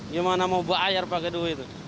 gimana mau bayar pakai duit